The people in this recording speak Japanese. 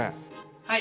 はい。